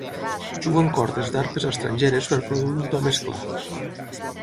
Juga en cordes d'arpes estrangeres per produir un to més clar.